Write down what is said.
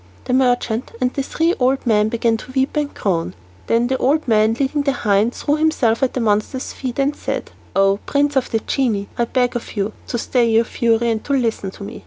The merchant and the three old men began to weep and groan. Then the old man leading the hind threw himself at the monster's feet and said, "O Prince of the Genii, I beg of you to stay your fury and to listen to me.